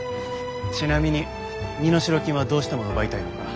ちなみに身代金はどうしても奪いたいのか？